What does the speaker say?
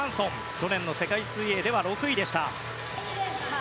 去年の世界水泳では６位でした。